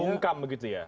memungkam begitu ya